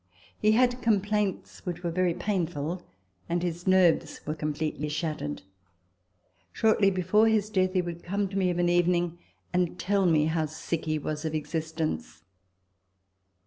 He had complaints which were very painful, and his nerves were completely shattered. Shortly before his death, he would come to me of an evening, and tell me how sick he was of existence.